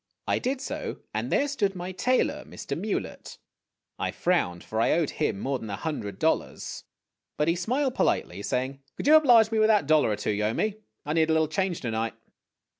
I did so, and there stood my tailor, Mr. Mewlett. I frowned, for I owed him more than a hundred dollars. But he smiled politely, saying, " Could you oblige me with that dollar or two you owe me? I need a little change to night."